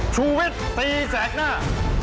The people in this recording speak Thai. ชุวิตตีแสดงหน้า